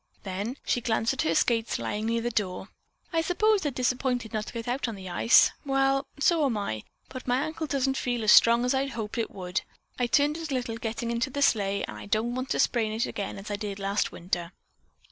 Then, she glanced at her skates lying near the door. "I suppose they're disappointed not to get out on the ice. Well, so am I, but my ankle doesn't feel as strong as I had hoped it would. I turned it a little getting into the sleigh, and I don't want to sprain it again as I did last winter."